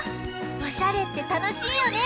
おしゃれってたのしいよね！